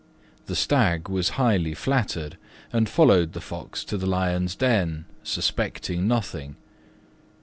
The Stag was highly flattered, and followed the Fox to the Lion's den, suspecting nothing.